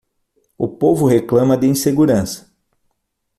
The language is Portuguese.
O povo reclama de insegurança.